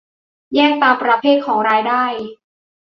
แยกตามประเภทของรายได้